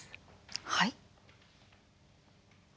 はい？